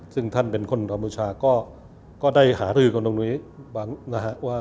ซึ่งท่านเป็นคนกามูชาก็ได้หาคือกันตรงนี้บาง